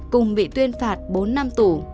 cùng bị tuyên phạt bốn năm tù